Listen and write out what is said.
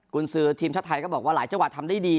คุณซื้อทีมชาติไทยก็บอกว่าหลายจังหวัดทำได้ดี